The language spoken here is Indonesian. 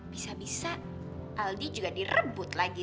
bisa bisa aldi juga direbut lagi